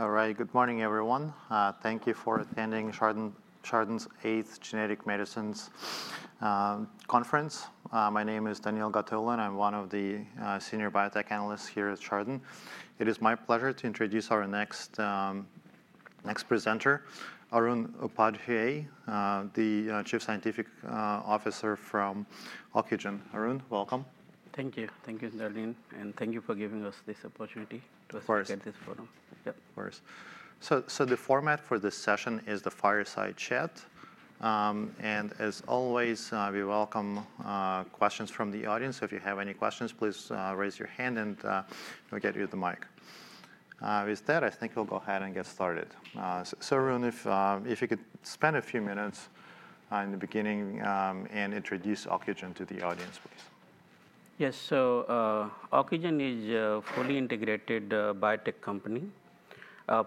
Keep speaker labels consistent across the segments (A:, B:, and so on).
A: All right. Good morning, everyone. Thank you for attending Chardan, Chardan's 8th Genetic Medicines Conference. My name is Daniil Gataulin, and I'm one of the senior biotech analysts here at Chardan. It is my pleasure to introduce our next presenter, Arun Upadhyay, the Chief Scientific Officer from Ocugen. Arun, welcome.
B: Thank you. Thank you, Daniil, and thank you for giving us this opportunity-
A: Of course
B: to speak at this forum.
A: Yep, of course. The format for this session is the fireside chat, and as always, we welcome questions from the audience. If you have any questions, please raise your hand, and we'll get you the mic. With that, I think we'll go ahead and get started. Arun, if you could spend a few minutes in the beginning, and introduce Ocugen to the audience, please.
B: Yes. So, Ocugen is a fully integrated biotech company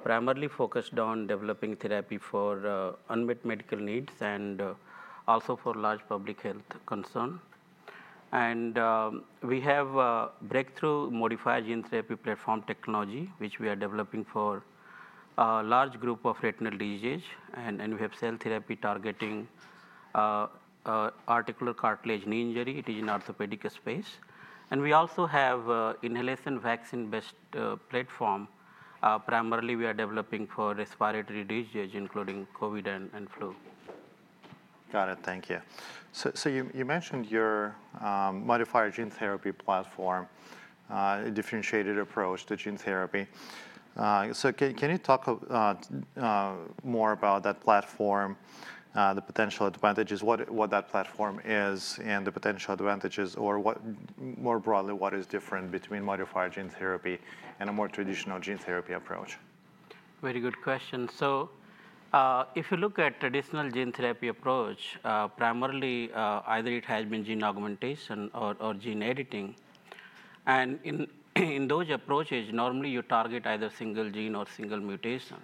B: primarily focused on developing therapy for unmet medical needs and also for large public health concern. And we have a breakthrough modified gene therapy platform technology which we are developing for a large group of retinal disease and we have cell therapy targeting articular cartilage knee injury. It is in orthopedic space. And we also have a inhalation vaccine-based platform primarily we are developing for respiratory diseases including COVID and flu.
A: Got it. Thank you. So you mentioned your modified gene therapy platform, a differentiated approach to gene therapy. So can you talk more about that platform, the potential advantages, what that platform is, and the potential advantages, or what... more broadly, what is different between modified gene therapy and a more traditional gene therapy approach?
B: Very good question. So, if you look at traditional gene therapy approach, primarily, either it has been gene augmentation or gene editing, and in those approaches, normally, you target either single gene or single mutation.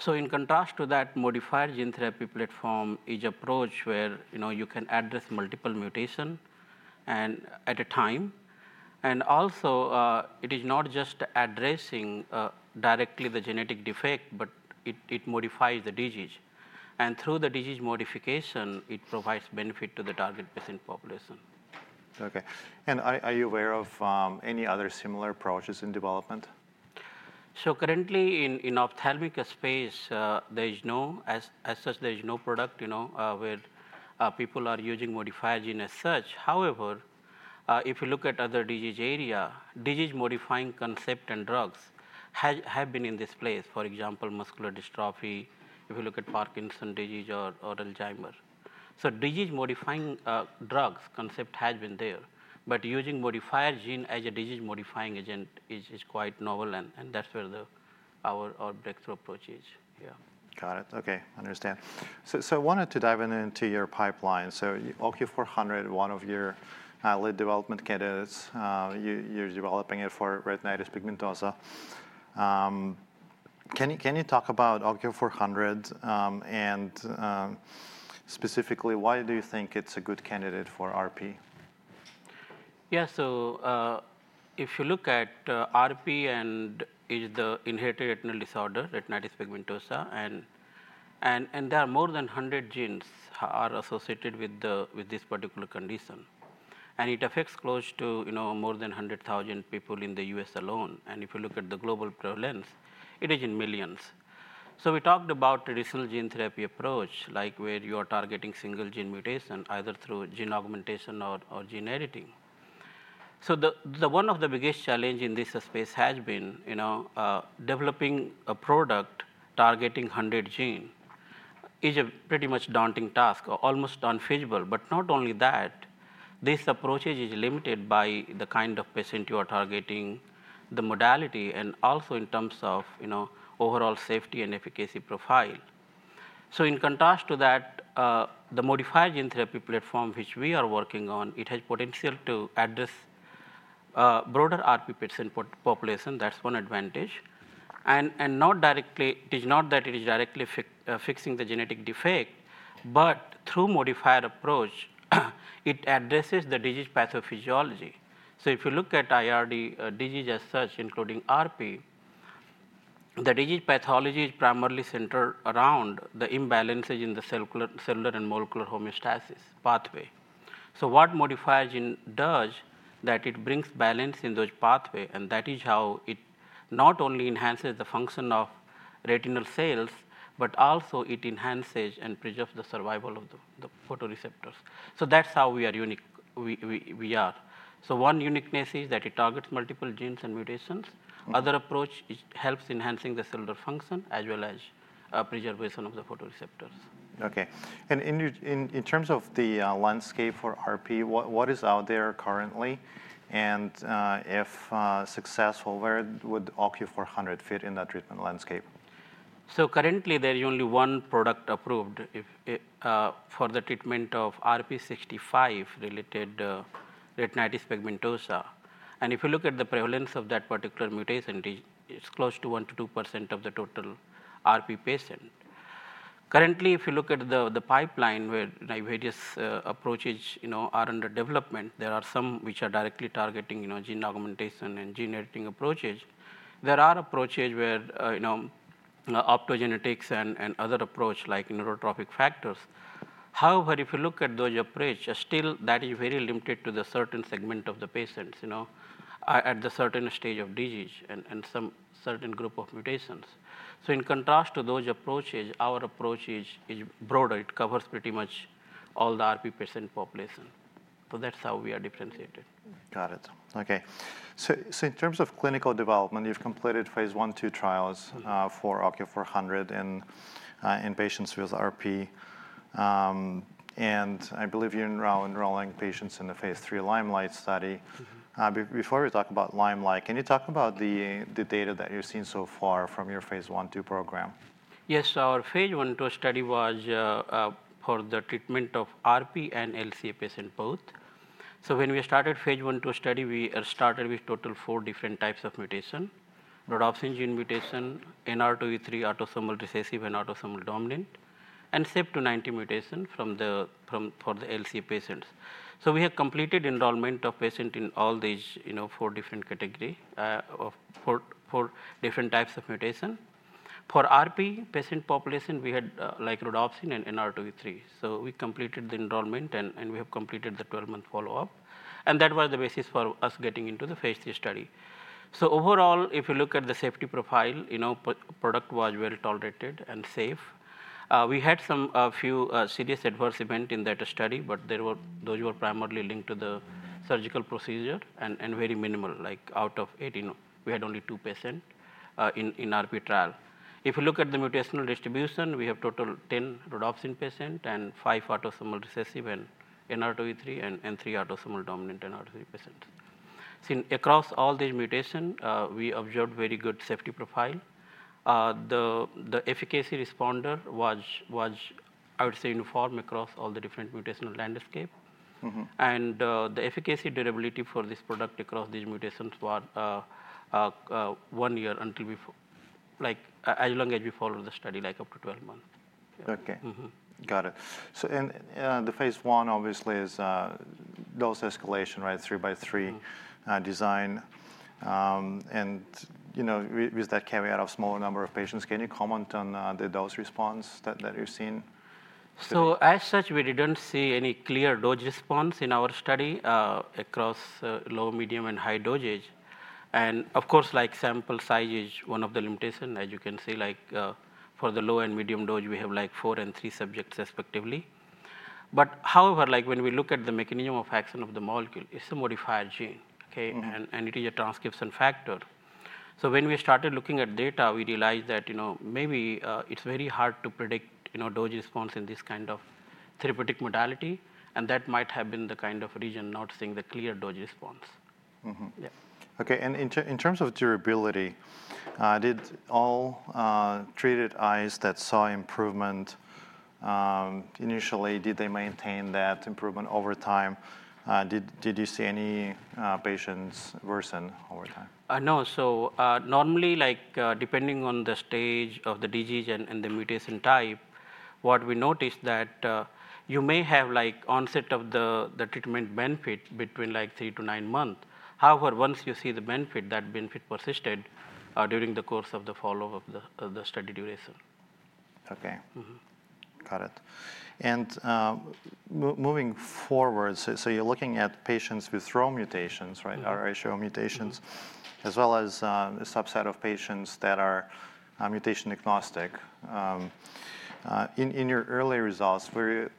B: So in contrast to that, modified gene therapy platform is approach where, you know, you can address multiple mutation and at a time, and also, it is not just addressing, directly the genetic defect, but it modifies the disease. And through the disease modification, it provides benefit to the target patient population.
A: Okay. And are you aware of any other similar approaches in development?
B: So currently, in ophthalmic space, there is no, as such, there is no product, you know, where people are using modified gene as such. However, if you look at other disease area, disease-modifying concept and drugs have been in this place, for example, muscular dystrophy, if you look at Parkinson's disease or Alzheimer's. So disease-modifying drugs concept has been there, but using modified gene as a disease-modifying agent is quite novel, and that's where our breakthrough approach is. Yeah.
A: Got it. Okay, understand. So I wanted to dive into your pipeline. So OCU400, one of your lead development candidates, you're developing it for retinitis pigmentosa. Can you talk about OCU400, and specifically, why do you think it's a good candidate for RP?
B: Yeah, so if you look at RP, the inherited retinal disorder, retinitis pigmentosa, and there are more than 100 genes are associated with this particular condition, and it affects close to, you know, more than 100,000 people in the U.S. alone, and if you look at the global prevalence, it is in millions, so we talked about traditional gene therapy approach, like where you are targeting single gene mutation, either through gene augmentation or gene editing, so the one of the biggest challenge in this space has been, you know, developing a product targeting 100 gene, is a pretty much daunting task or almost unfeasible, but not only that, this approach is limited by the kind of patient you are targeting, the modality, and also in terms of, you know, overall safety and efficacy profile. So in contrast to that, the modified gene therapy platform, which we are working on, it has potential to address broader RP patient population. That's one advantage. Not directly- it is not that it is directly fixing the genetic defect, but through modified approach, it addresses the disease pathophysiology. So if you look at IRD disease as such, including RP, the disease pathology is primarily centered around the imbalances in the cellular and molecular homeostasis pathway. So what modified gene does, that it brings balance in those pathway, and that is how it not only enhances the function of retinal cells, but also it enhances and preserves the survival of the photoreceptors. So that's how we are unique- we are. So one uniqueness is that it targets multiple genes and mutations.
A: Okay.
B: Other approach, it helps enhancing the cellular function, as well as, preservation of the photoreceptors.
A: Okay. And in terms of the landscape for RP, what is out there currently? And if successful, where would OCU400 fit in that treatment landscape?
B: So currently, there is only one product approved, if, for the treatment of RPE65-related retinitis pigmentosa, and if you look at the prevalence of that particular mutation, it, it's close to 1%-2% of the total RP patients. Currently, if you look at the pipeline where, like, various approaches, you know, are under development, there are some which are directly targeting, you know, gene augmentation and gene editing approaches. There are approaches where, you know, optogenetics and other approach, like neurotrophic factors. However, if you look at those approach, still that is very limited to the certain segment of the patients, you know, at the certain stage of disease and some certain group of mutations. So in contrast to those approaches, our approach is broader. It covers pretty much all the RP patient population. So that's how we are differentiated.
A: Got it. Okay. So, in terms of clinical development, you've completed phase I/II trials for OCU400 in patients with RP, and I believe you're enrolling patients in the phase III liMeliGhT study. Before we talk about liMeliGhT, can you talk about the data that you've seen so far from your phase I/II program?
B: Yes. So our phase I/II study was for the treatment of RP and LCA patient both. So when we started phase I/II study, we started with total four different types of mutation: rhodopsin gene mutation, NR2E3 autosomal recessive and autosomal dominant, and CEP290 mutation for the LCA patients. So we had completed enrollment of patient in all these, you know, four different category of four different types of mutation. For RP patient population, we had like rhodopsin and NR2E3. So we completed the enrollment, and we have completed the 12-month follow-up, and that was the basis for us getting into the phase III study. So overall, if you look at the safety profile, you know, product was well tolerated and safe. We had some, a few, serious adverse events in that study, but those were primarily linked to the surgical procedure and very minimal. Like, out of 18, we had only two patients in RP trial. If you look at the mutational distribution, we have total 10 rhodopsin patients and five autosomal recessive and NR2E3, and three autosomal dominant NR2E3 patients. So across all the mutations, we observed very good safety profile. The efficacy responder was, I would say, uniform across all the different mutational landscape.
A: Mm-hmm.
B: The efficacy durability for this product across these mutations were one year until we... Like, as long as we follow the study, like up to twelve months.
A: Okay.
B: Mm-hmm.
A: Got it. So, the phase I obviously is dose escalation, right? Three by three design, and you know, with that caveat of smaller number of patients, can you comment on the dose response that you've seen?
B: So as such, we didn't see any clear dose response in our study across low, medium, and high dosage. And of course, like, sample size is one of the limitation. As you can see, like, for the low and medium dose, we have, like, four and three subjects respectively. But however, like, when we look at the mechanism of action of the molecule, it's a modified gene, okay?
A: Mm-hmm.
B: It is a transcription factor. So when we started looking at data, we realized that, you know, maybe it's very hard to predict, you know, dose response in this kind of therapeutic modality, and that might have been the kind of reason not seeing the clear dose response.
A: Mm-hmm.
B: Yeah.
A: Okay. And in terms of durability, did all treated eyes that saw improvement initially, did they maintain that improvement over time? Did you see any patients worsen over time?
B: No. So, normally, like, depending on the stage of the disease and the mutation type, what we noticed that you may have, like, onset of the treatment benefit between three to nine months. However, once you see the benefit, that benefit persisted during the course of the follow-up of the study duration.
A: Okay.
B: Mm-hmm.
A: Got it. And moving forward, so you're looking at patients with RHO mutations, right?
B: Mm.
A: RHO mutations.
B: Mm-hmm.
A: As well as a subset of patients that are mutation agnostic. In your early results, were you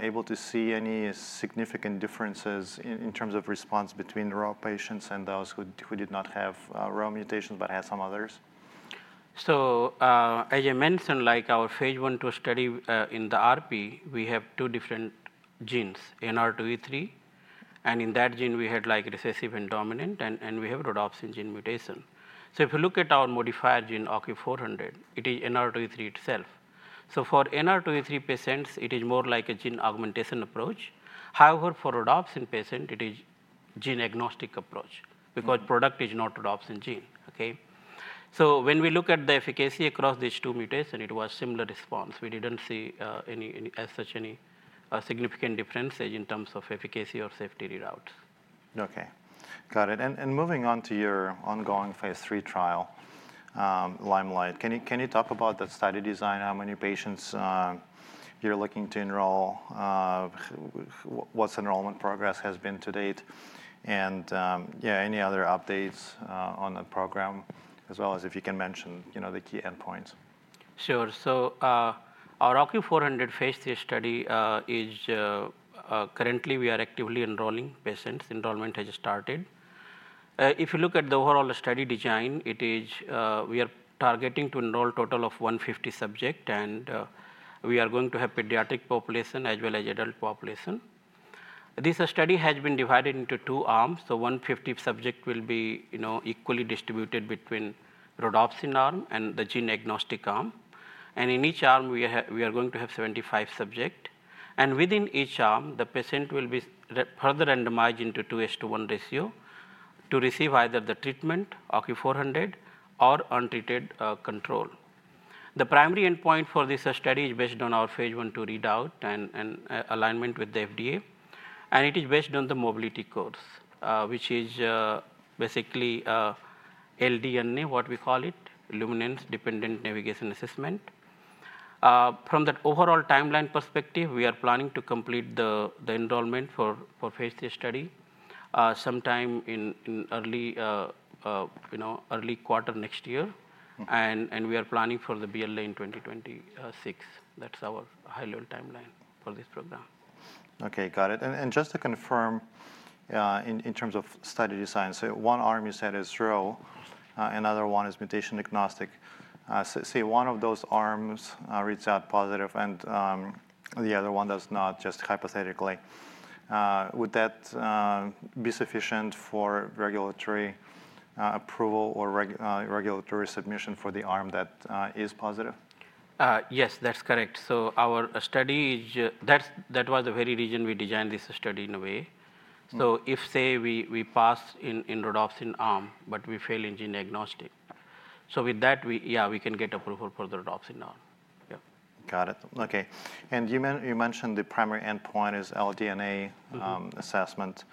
A: able to see any significant differences in terms of response between the RHO patients and those who did not have RHO mutation but had some others?
B: As I mentioned, like our phase I/II study in the RP, we have two different genes, NR2E3, and in that gene, we have, like, recessive and dominant, and we have rhodopsin gene mutation. So if you look at our modified gene, OCU400, it is NR2E3 itself. So for NR2E3 patients, it is more like a gene augmentation approach. However, for rhodopsin patient, it is gene agnostic approach because product is not Rhodopsin gene. Okay? So when we look at the efficacy across these two mutation, it was similar response. We didn't see any as such significant difference in terms of efficacy or safety readout.
A: Okay. Got it. And moving on to your ongoing phase III trial, liMeliGhT, can you talk about the study design, how many patients you're looking to enroll? What's enrollment progress has been to date? And, yeah, any other updates on the program, as well as if you can mention, you know, the key endpoints.
B: Sure. Our OCU400 phase III study is currently we are actively enrolling patients. Enrollment has started. If you look at the overall study design, it is we are targeting to enroll total of 150 subjects, and we are going to have pediatric population as well as adult population. This study has been divided into two arms, so 150 subjects will be, you know, equally distributed between rhodopsin arm and the gene-agnostic arm, and in each arm, we are going to have 75 subjects. And within each arm, the patients will be further randomized into 2:1 ratio, to receive either the treatment, OCU400, or untreated control. The primary endpoint for this study is based on our phase I/II read out and alignment with the FDA, and it is based on the mobility course, which is basically LDNA, what we call it, Luminance Dependent Navigation Assessment. From the overall timeline perspective, we are planning to complete the enrollment for phase three study sometime in early, you know, early quarter next year.
A: Mm.
B: We are planning for the BLA in 2026. That's our high-level timeline for this program.
A: Okay, got it. And just to confirm, in terms of study design, so one arm you said is RHO, another one is mutation agnostic. Say, one of those arms reads out positive and the other one does not, just hypothetically. Would that be sufficient for regulatory approval or regulatory submission for the arm that is positive?
B: Yes, that's correct. That was the very reason we designed this study in a way.
A: Mm.
B: So if, say, we pass in rhodopsin arm, but we fail in gene agnostic. So with that, we... yeah, we can get approval for the rhodopsin arm. Yeah.
A: Got it. Okay. And you mentioned the primary endpoint is LDN assessment.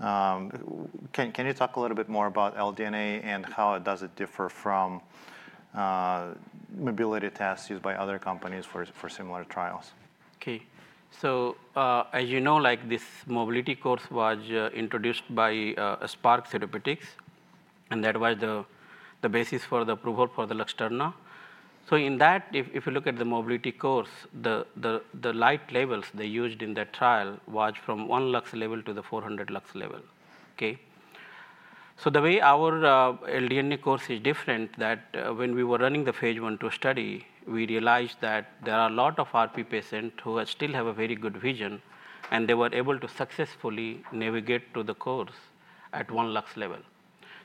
A: Can you talk a little bit more about LDNA and how does it differ from mobility tests used by other companies for similar trials?
B: Okay. So, as you know, like, this mobility course was introduced by Spark Therapeutics, and that was the basis for the approval for the Luxturna. So in that, if you look at the mobility course, the light levels they used in that trial was from one lux level to the 400 lux level, okay? So the way our LDNA course is different, that, when we were running the phase one two study, we realized that there are a lot of RP patient who still have a very good vision, and they were able to successfully navigate through the course at one lux level.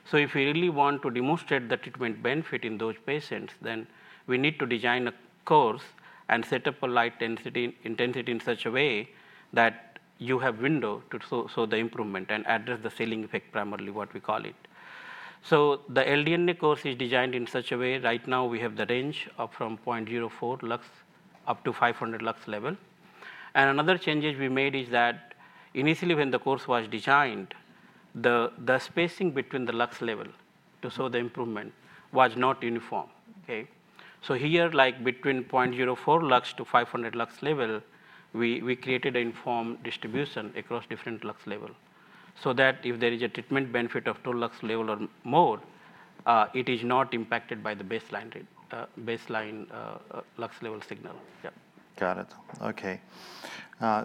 B: So if we really want to demonstrate the treatment benefit in those patients, then we need to design a course and set up a light density, intensity in such a way that you have window to show the improvement and address the ceiling effect, primarily what we call it. So the LDNA is designed in such a way, right now, we have the range of from 0.04 lux up to 500 lux level. And another changes we made is that initially, when the course was designed, the spacing between the lux level to show the improvement was not uniform, okay? So here, like between 0.04 lux to 500 lux level, we created a uniform distribution across different lux level, so that if there is a treatment benefit of two lux level or more, it is not impacted by the baseline lux level signal. Yeah.
A: Got it. Okay.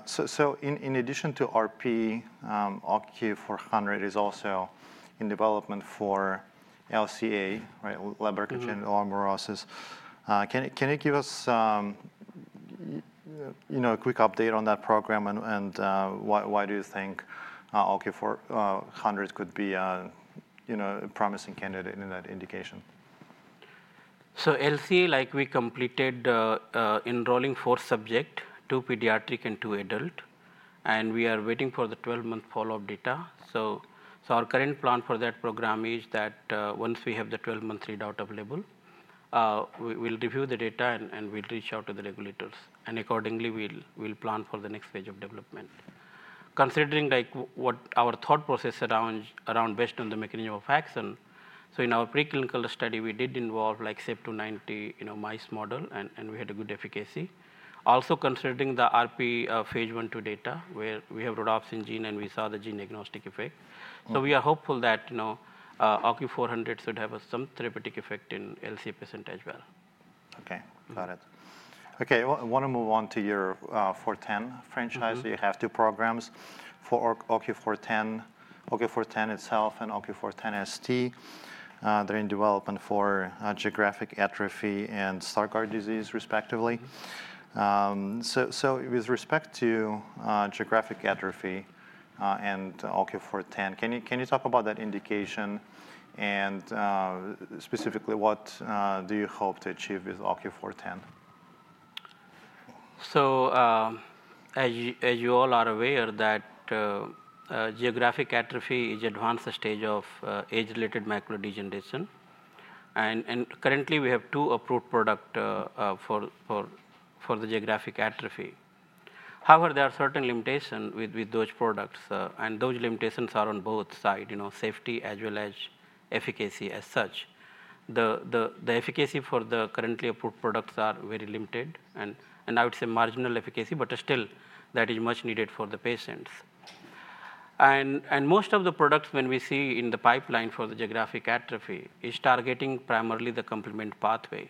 A: So in addition to RP, OCU400 is also in development for LCA, right? Leber congenital amaurosis.
B: Mm-hmm.
A: Can you give us, you know, a quick update on that program, and why do you think OCU400 could be a, you know, a promising candidate in that indication?
B: So LCA, like we completed enrolling four subjects, two pediatric and two adult, and we are waiting for the twelve-month follow-up data. So our current plan for that program is that once we have the twelve-month readout available, we'll review the data and we'll reach out to the regulators, and accordingly, we'll plan for the next phase of development. Considering like what our thought process around based on the mechanism of action, so in our preclinical study, we did involve like CEP290, you know, mouse model, and we had a good efficacy. Also, considering the RP phase I/II data, where we have rhodopsin gene, and we saw the gene agnostic effect.
A: Mm.
B: We are hopeful that, you know, OCU400 should have some therapeutic effect in LCA patients as well.
A: Okay, got it. Okay, I want to move on to your 410 franchise.
B: Mm-hmm.
A: So you have two programs for OCU410. OCU410 itself and OCU410ST. They're in development for geographic atrophy and Stargardt disease, respectively. So with respect to geographic atrophy and OCU410, can you talk about that indication and specifically what do you hope to achieve with OCU410?
B: As you all are aware, that geographic atrophy is advanced stage of age-related macular degeneration. Currently, we have two approved product for the geographic atrophy. However, there are certain limitations with those products, and those limitations are on both sides, you know, safety as well as efficacy as such. The efficacy for the currently approved products are very limited, and I would say marginal efficacy, but still, that is much needed for the patients. Most of the products, when we see in the pipeline for the geographic atrophy, is targeting primarily the complement pathway.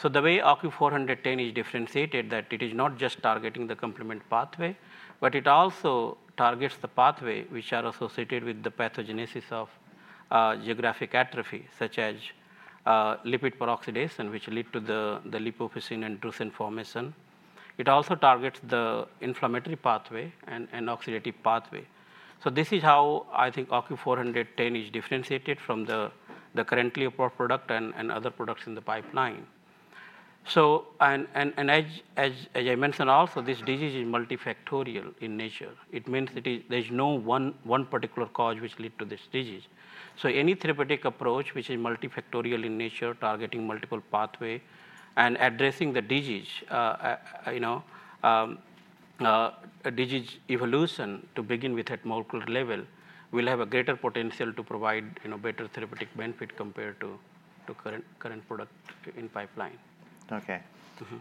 B: So the way OCU410 is differentiated, that it is not just targeting the complement pathway, but it also targets the pathway which are associated with the pathogenesis of geographic atrophy, such as lipid peroxidation, which lead to the lipofuscin and drusen formation. It also targets the inflammatory pathway and oxidative pathway. So this is how I think OCU410 is differentiated from the currently approved product and other products in the pipeline. So, as I mentioned also, this disease is multifactorial in nature. It means that it. There's no one particular cause which lead to this disease. So any therapeutic approach, which is multifactorial in nature, targeting multiple pathway and addressing the disease, you know, a disease evolution to begin with at molecular level, will have a greater potential to provide, you know, better therapeutic benefit compared to current product in pipeline.
A: Okay.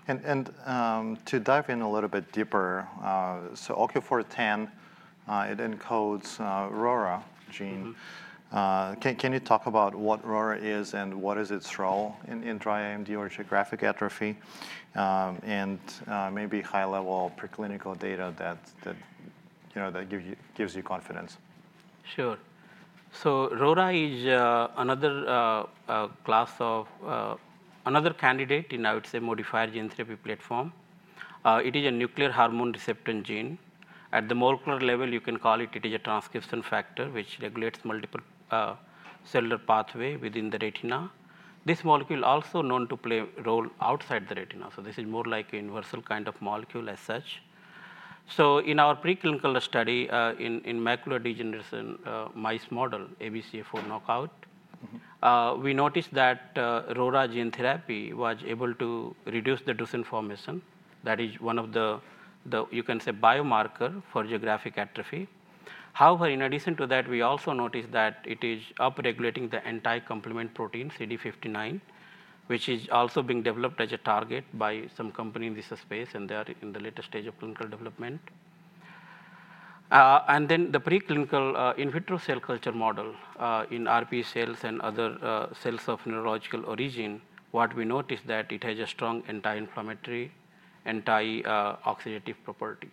B: Mm-hmm.
A: To dive in a little bit deeper, so OCU410, it encodes RORA gene.
B: Mm-hmm.
A: Can you talk about what RORA is, and what is its role in dry AMD or geographic atrophy? Maybe high-level preclinical data that you know that gives you confidence.
B: Sure. So RORA is another candidate in, I would say, modified gene therapy platform. It is a nuclear hormone receptor gene. At the molecular level, you can call it, it is a transcription factor, which regulates multiple cellular pathway within the retina. This molecule also known to play a role outside the retina, so this is more like a universal kind of molecule as such. So in our preclinical study, in macular degeneration mice model, ABCA4 knockout we noticed that RORA gene therapy was able to reduce the drusen formation. That is one of the, you can say, biomarker for geographic atrophy. However, in addition to that, we also noticed that it is upregulating the entire complement protein, CD59, which is also being developed as a target by some company in this space, and they are in the later stage of clinical development. And then, the preclinical, in vitro cell culture model, in RPE cells and other, cells of neurological origin, what we noticed that it has a strong anti-inflammatory, anti-oxidative property.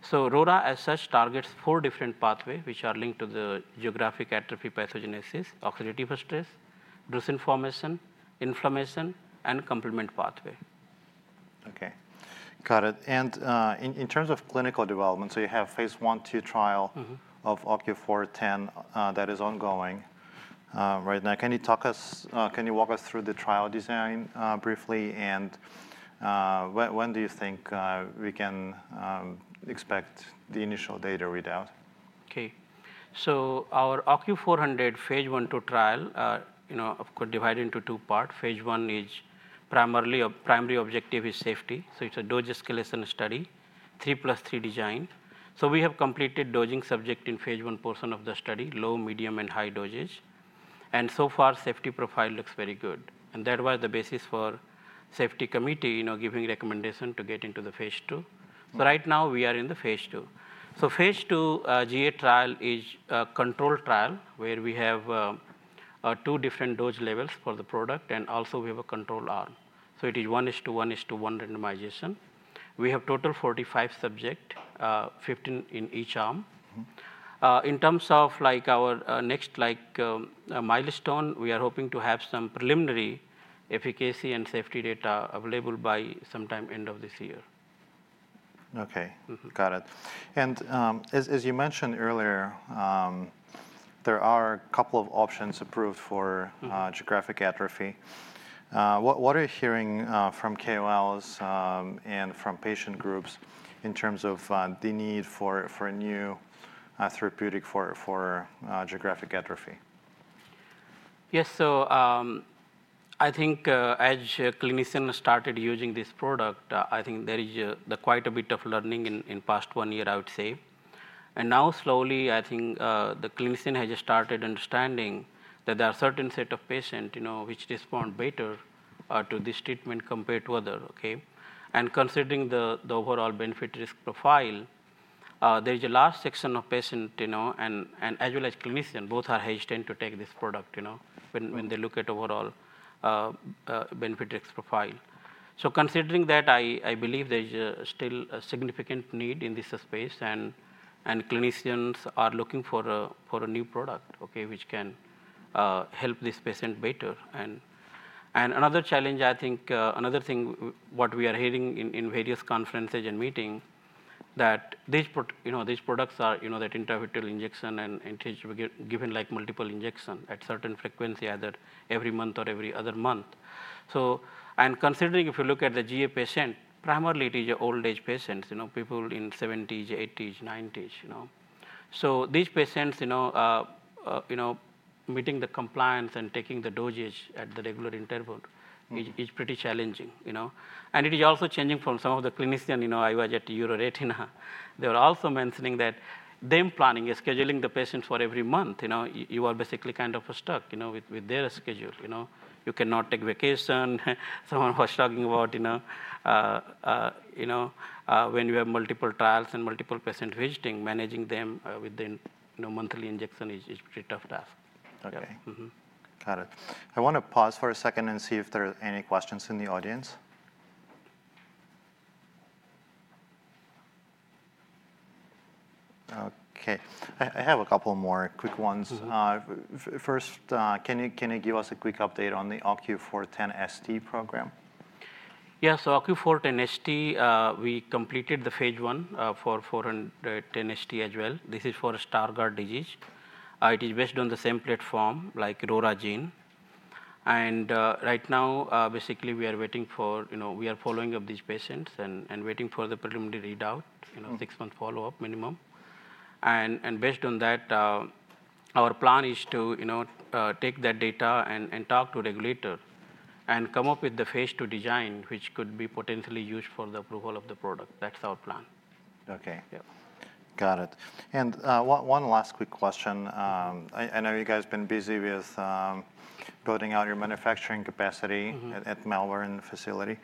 B: So RORA, as such, targets four different pathway, which are linked to the geographic atrophy pathogenesis, oxidative stress, drusen formation, inflammation, and complement pathway.
A: Okay. Got it and in terms of clinical development, so you have phase I/II trial of OCU410 that is ongoing right now. Can you walk us through the trial design briefly, and when do you think we can expect the initial data readout?
B: Okay. So our OCU400 phase I/II trial, you know, of course, divided into two part. Phase I is primarily primary objective is safety, so it's a dose escalation study, 3 + 3 design. So we have completed dosing subject in phase I portion of the study, low, medium, and high dosage. And so far, safety profile looks very good. And that was the basis for safety committee, you know, giving recommendation to get into the phase 2. So right now, we are in the phase II. So phase II GA trial is a control trial, where we have two different dose levels for the product, and also we have a control arm. So it is 1:1:1 randomization. We have total 45 subjects, 15 in each arm. In terms of, like, our next, like, milestone, we are hoping to have some preliminary efficacy and safety data available by sometime end of this year.
A: Okay.
B: Mm-hmm.
A: Got it. And, as you mentioned earlier, there are a couple of options approved for geographic atrophy. What are you hearing from KOLs and from patient groups in terms of the need for a new therapeutic for geographic atrophy?
B: Yes. So, I think, as clinicians started using this product, I think there is quite a bit of learning in past one year, I would say. And now, slowly, I think, the clinician has just started understanding that there are certain set of patient, you know, which respond better to this treatment compared to other, okay? And considering the overall benefit/risk profile, there is a large section of patient, you know, and as well as clinician, both are hesitant to take this product, you know when they look at overall benefit/risk profile. So considering that, I believe there is still a significant need in this space, and clinicians are looking for a new product, okay, which can help this patient better. And another challenge, I think, another thing, what we are hearing in various conferences and meeting, that these products are, you know, that intravitreal injection and which we given, like, multiple injection at certain frequency, either every month or every other month. And considering if you look at the GA patient, primarily, it is your old age patients, you know, people in seventies, eighties, nineties, you know? So these patients, you know, you know, meeting the compliance and taking the dosage at the regular interval is pretty challenging, you know? And it is also changing from some of the clinicians, you know. I was at the EURETINA. They were also mentioning that them planning and scheduling the patients for every month, you know. You are basically kind of stuck, you know, with their schedule. You know, you cannot take vacation. Someone was talking about, you know, when you have multiple trials and multiple patients visiting, managing them with the, you know, monthly injection is pretty tough task.
A: Okay.
B: Mm-hmm.
A: Got it. I want to pause for a second and see if there are any questions in the audience. Okay, I have a couple more quick ones.
B: Mm-hmm.
A: First, can you give us a quick update on the OCU410ST program?
B: Yeah. So OCU410ST, we completed the phase I for 410ST as well. This is for Stargardt disease. It is based on the same platform, like RORA gene. And, right now, basically, we are waiting for, you know, we are following up these patients and waiting for the preliminary readout you know, six-month follow-up, minimum, and based on that, our plan is to, you know, take that data and talk to regulator and come up with the phase II design, which could be potentially used for the approval of the product. That's our plan.
A: Okay.
B: Yep.
A: Got it. And, one last quick question: I know you guys have been busy with building out your manufacturing capacity at Malvern facility.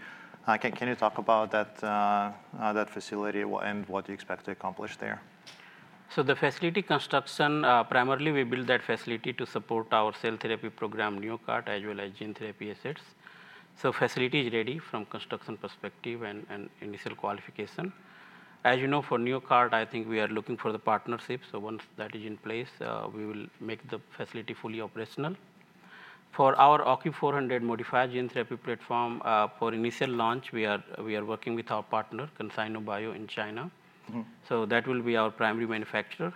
A: Can you talk about that facility, and what you expect to accomplish there?
B: The facility construction, primarily, we built that facility to support our cell therapy program, NeoCart, as well as gene therapy assets. Facility is ready from construction perspective and initial qualification. As you know, for NeoCart, I think we are looking for the partnership. Once that is in place, we will make the facility fully operational. For our OCU400 modified gene therapy platform, for initial launch, we are working with our partner, CanSinoBIO, in China. That will be our primary manufacturer.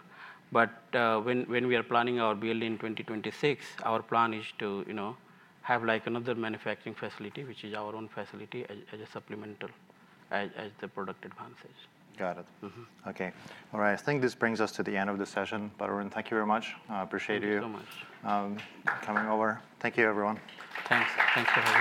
B: When we are planning our build in 2026, our plan is to, you know, have, like, another manufacturing facility, which is our own facility, as a supplemental, as the product advances.
A: Got it.
B: Mm-hmm.
A: Okay. All right, I think this brings us to the end of the session. Arun, thank you very much. I appreciate you coming over. Thank you, everyone.
B: Thanks. Thanks for having me.